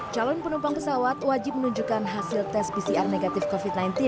calon penumpang pesawat wajib menunjukkan hasil tes pcr negatif covid sembilan belas